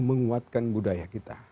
menguatkan budaya kita